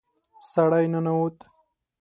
سړی ننوت.